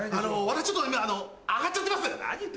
私ちょっと今上がっちゃってます。